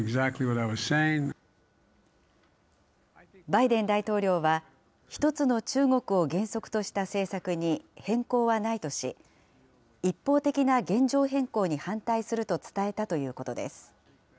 バイデン大統領は、一つの中国を原則とした政策に変更はないとし、一方的な現状変更に反対すると伝えたということです。